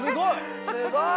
すごい。